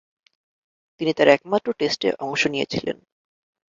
তিনি তার একমাত্র টেস্টে অংশ নিয়েছিলেন।